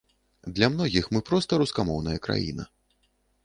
Для многіх мы проста рускамоўная краіна.